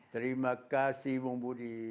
terima kasih bu budi